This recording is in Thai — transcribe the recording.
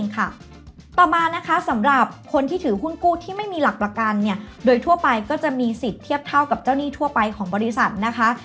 ต่อมานะคะสำหรับคนที่ถือหุ้นกู้ที่ไม่มีหลักประกันเนี่ยโดยทั่วไปก็จะมีสิทธิ์เทียบเท่ากับเจ้าหนี้ทั่วไปของบริษัทนะคะ